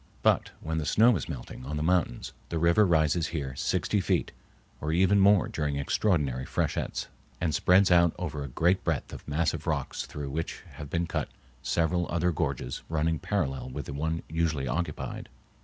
But when the snow is melting on the mountains the river rises here sixty feet, or even more during extraordinary freshets, and spreads out over a great breadth of massive rocks through which have been cut several other gorges running parallel with the one usually occupied.